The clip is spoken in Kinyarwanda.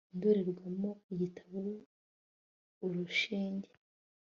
Indorerwamo igitabo urushinge